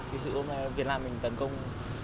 vì sự hôm nay việt nam mình tấn công